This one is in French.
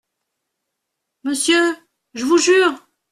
Monsieur… je vous jure…